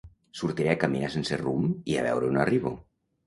Sortiré a caminar sense rumb i a veure on arribo